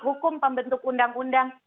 hukum pembentuk undang undang